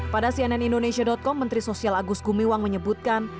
pada cnn indonesia com menteri sosial agus gumiwang menyebutkan